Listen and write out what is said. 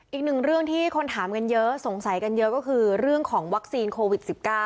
อีกหนึ่งเรื่องที่คนถามกันเยอะสงสัยกันเยอะก็คือเรื่องของวัคซีนโควิด๑๙